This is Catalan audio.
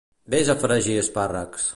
Ves a fregir espàrrecs